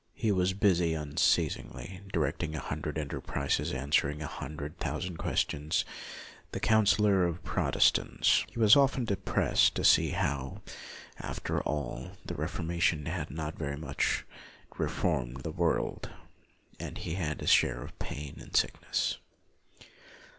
He was busy unceasingly, directing a hundred enterprises, answering a hun dred thousand questions, the counsellor of Protestants. He was often depressed to see how, after all, the Reformation had not very much reformed the world, and he had his share of pain and sickness.